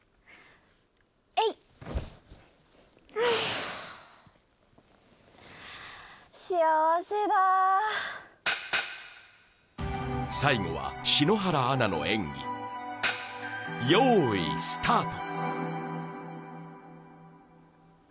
えいっああっ幸せだ最後は篠原アナの演技用意スタート